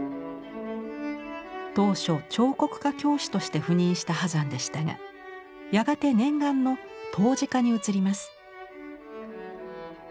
当初彫刻科教師として赴任した波山でしたがやがて念願の陶磁科に移ります。